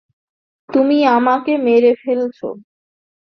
তুমি আমাকে মেরে ফেলছো।